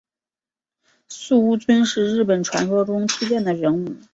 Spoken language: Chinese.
素呜尊是日本传说中出现的人物。